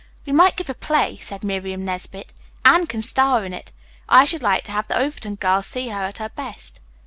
"We might give a play," said Miriam Nesbit. "Anne can star in it. I should like to have the Overton girls see her at her best."